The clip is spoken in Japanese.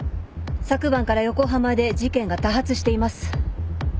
昨晩から横浜で事件が多発しています。